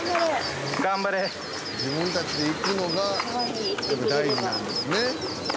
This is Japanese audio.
自分たちで行くのが大事なんですね。